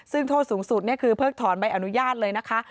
ซึ่งโทษสูงสุดนี่คือเพิกถอนใบอนุญาตเลยนะคะ